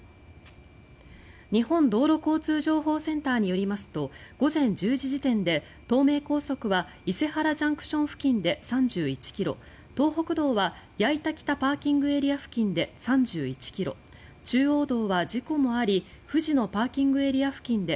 日本道路交通情報センターによりますと午前１０時点で東名高速は伊勢原ＪＣＴ付近で３１ｋｍ東北道は矢板北ＰＡ付近で３１ｋｍ中央道は事故もあり藤野ＰＡ付近で